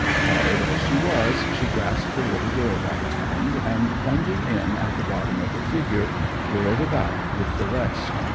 Tired as she was she grasped her little girl by the hand, and plunging in at the bottom of the figure, whirled about with the rest.